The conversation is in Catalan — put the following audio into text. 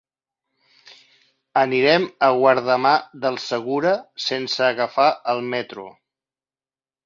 Anirem a Guardamar del Segura sense agafar el metro.